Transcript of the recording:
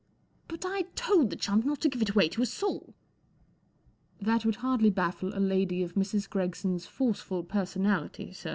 44 But I told the chump not to give it away to a soul." 4 That would hardly baffle a lady of Mrs. Gregson s forkful personality, sir."